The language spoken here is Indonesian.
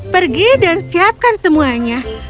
pergi dan siapkan semuanya